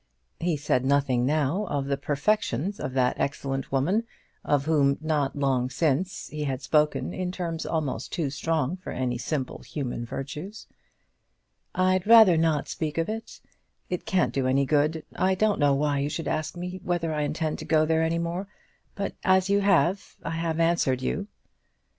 He said nothing now of the perfections of that excellent woman, of whom not long since he had spoken in terms almost too strong for any simple human virtues. "I'd rather not speak of it. It can't do any good. I don't know why you should ask me whether I intend to go there any more, but as you have, I have answered you."